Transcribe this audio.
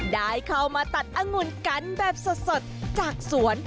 ได้เข้ามาตัดองุ่นกันแบบสดจากสวน